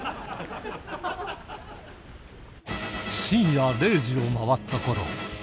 深夜０時を回ったころ